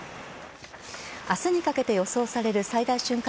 明日にかけて予想される最大瞬間